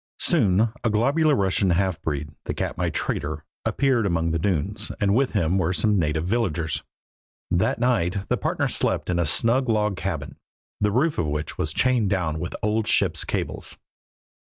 Soon a globular Russian half breed, the Katmai trader, appeared among the dunes, and with him were some native villagers. That night the partners slept in a snug log cabin, the roof of which was chained down with old ships' cables.